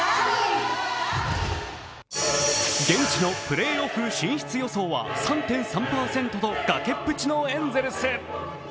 現地のプレーオフ進出予想は３．３％と崖っぷちのエンゼルス。